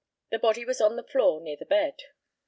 The body was on the floor, near the bed.